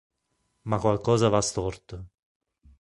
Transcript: Ma qualcosa va storto...